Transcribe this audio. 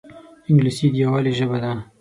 انګلیسي د یووالي ژبه ده